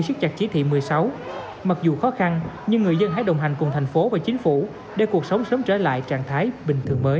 sức chặt chỉ thị một mươi sáu mặc dù khó khăn nhưng người dân hãy đồng hành cùng thành phố và chính phủ để cuộc sống sớm trở lại trạng thái bình thường mới